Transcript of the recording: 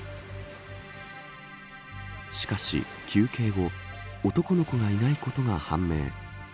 しかし、休憩後男の子がいないことが判明。